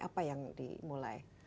apa yang dimulai